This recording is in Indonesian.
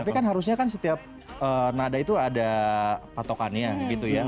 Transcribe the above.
tapi kan harusnya kan setiap nada itu ada patokannya gitu ya